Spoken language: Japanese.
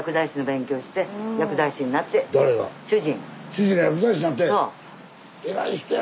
主人が薬剤師になったんや。